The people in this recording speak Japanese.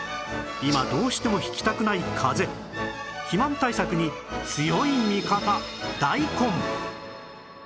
今どうしてもひきたくないかぜ肥満対策に強い味方大根